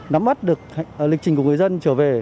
nắm bắt được lệnh trình của người dân trở về